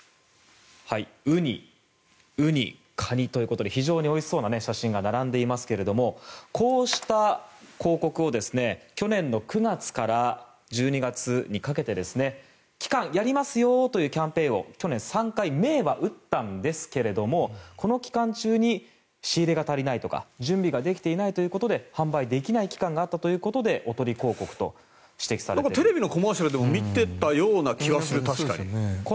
ウニ、ウニ、カニということで非常においしそうな写真が並んでいますけれどもこうした広告を去年の９月から１２月にかけて期間、やりますよというキャンペーンを去年３回銘は打ったんですけれどもこの期間中に仕入れが足りないとか準備ができていないということで販売できない期間があったということでテレビのコマーシャルでも見てたような気はする、確かに。